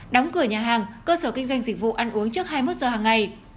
đóng cửa nhà hàng cơ sở kinh doanh dịch vụ ăn uống trước hai mươi một giờ hàng ngày